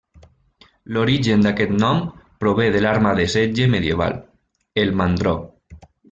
L'origen d'aquest nom prové de l'arma de setge medieval, el mandró.